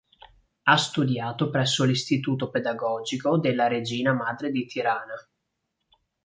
Ha studiato presso l'Istituto pedagogico della Regina Madre di Tirana.